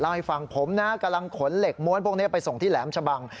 ให้ฟังผมนะกำลังขนเหล็กม้วนพวกนี้ไปส่งที่แหลมชะบัง